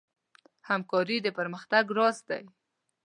همکاري د پرمختګ راز دی.